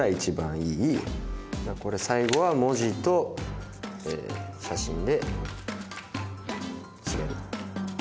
最後は文字と写真で締めると。